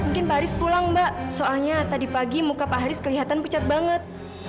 mungkin pak haris pulang mbak soalnya tadi pagi muka pak haris kelihatan pucat banget